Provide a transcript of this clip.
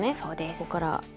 ここから。